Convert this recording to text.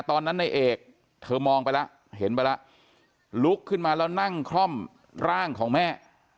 ตอนนั้นในเอกเธอมองไปแล้วเห็นไปแล้วลุกขึ้นมาแล้วนั่งคล่อมร่างของแม่